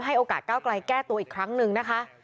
โอกาสก้าวไกลแก้ตัวอีกครั้งหนึ่งนะคะ